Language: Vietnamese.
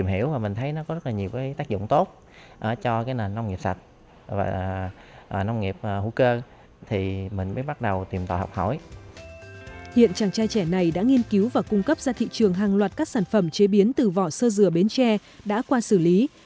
hiện chàng trai trẻ này đã nghiên cứu và cung cấp ra thị trường hàng loạt các sản phẩm chế biến từ vỏ sơ dừa bến tre đã qua xử lý